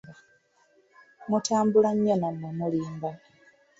Mutambula nnyo nammwe mulimba.